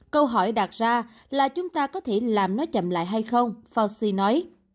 câu hỏi đạt ra là chúng ta có thể làm nó chậm lại hay không fauci nói